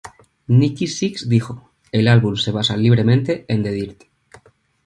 Nikki Sixx dijo: "el álbum se basa libremente en The Dirt.